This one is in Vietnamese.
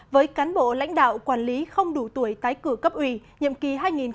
với cán bộ lãnh đạo quản lý không đủ tuổi tái cử cấp ủy nhiệm kỳ hai nghìn hai mươi hai nghìn hai mươi năm